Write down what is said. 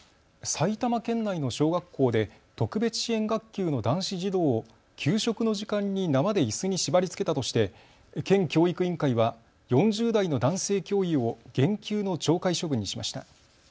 埼玉県内の小学校で特別支援学級の男子児童を給食の時間に縄でいすに縛りつけたとして県教育委員会は４０代の男性教諭を減給の懲戒処分にしました。